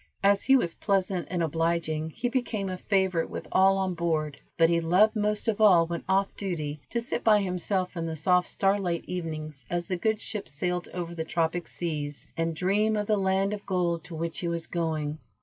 As he was pleasant and obliging he became a favorite with all on board, but he loved most of all when off duty, to sit by himself in the soft starlit evenings as the good ship sailed over the tropic seas, and dream of the land of gold to which he was going.